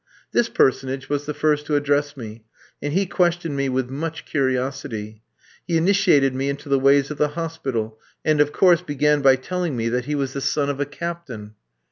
This personage was the first to address me, and he questioned me with much curiosity. He initiated me into the ways of the hospital; and, of course, began by telling me that he was the son of a captain.